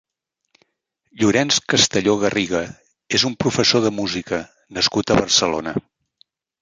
Llorenç Castelló Garriga és un professor de música nascut a Barcelona.